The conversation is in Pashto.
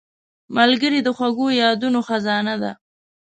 ملګری د خوږو یادونو خزانه ده